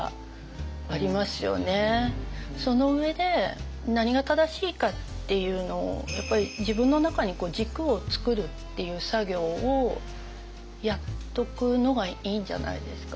その上で何が正しいかっていうのをやっぱり自分の中に軸をつくるっていう作業をやっとくのがいいんじゃないですかね。